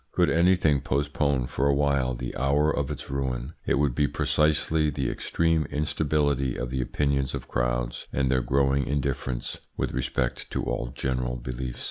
Could anything postpone for a while the hour of its ruin, it would be precisely the extreme instability of the opinions of crowds and their growing indifference with respect to all general beliefs.